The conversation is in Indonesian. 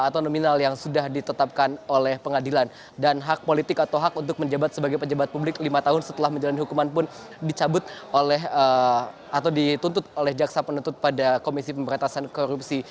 atau nominal yang sudah ditetapkan oleh pengadilan dan hak politik atau hak untuk menjabat sebagai pejabat publik lima tahun setelah menjalani hukuman pun dicabut oleh atau dituntut oleh jaksa penuntut pada komisi pemberantasan korupsi